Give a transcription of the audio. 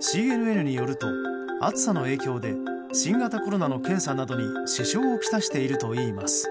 ＣＮＮによると暑さの影響で新型コロナの検査などに支障をきたしているといいます。